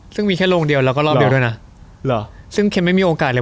ซึ่งมีแค่โรงเดียวแล้วก็รอบเดียวด้วยนะเหรอซึ่งเค็มไม่มีโอกาสเลย